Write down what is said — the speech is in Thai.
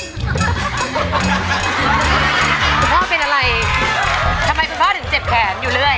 คุณพ่อเป็นอะไรทำไมคุณพ่อถึงเจ็บแขนอยู่เรื่อย